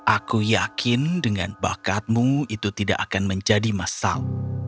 aku yakin dengan bakatmu itu tidak akan menjadi masal